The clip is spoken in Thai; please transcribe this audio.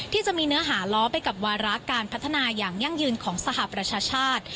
ที่จะมีเนื้อหาล้อไปกับวาระการพัฒนาอย่างยั่งยืนของสหประชาชาติ